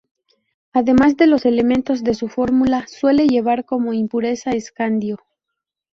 Además de los elementos de su fórmula, suele llevar como impureza escandio.